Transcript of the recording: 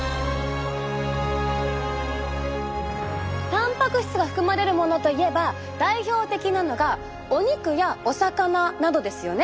たんぱく質が含まれるものといえば代表的なのがお肉やお魚などですよね。